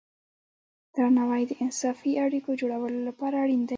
درناوی د انصافی اړیکو جوړولو لپاره اړین دی.